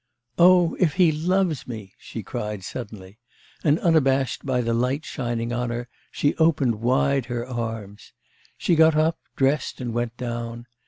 'Oh, if he loves me!' she cried suddenly, and unabashed by the light shining on her, she opened wide her arms... She got up, dressed, and went down.